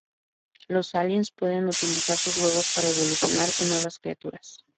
Los aliens pueden utilizar sus huevos para evolucionar en nuevas criaturas.